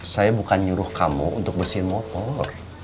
saya bukan nyuruh kamu untuk mesin motor